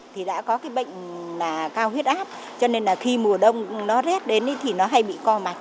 thì đã có cái bệnh cao huyết áp cho nên là khi mùa đông nó rét đến thì nó hay bị co mạch